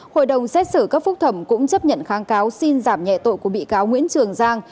hội đồng xét xử cấp phúc thẩm cũng chấp nhận kháng cáo xin giảm nhẹ tội của bị cáo nguyễn trường giang